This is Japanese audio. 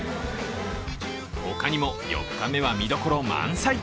他にも４日目は見どころ満載。